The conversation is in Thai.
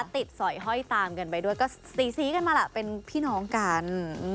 สอยห้อยตามกันไปด้วยก็สีกันมาล่ะเป็นพี่น้องกัน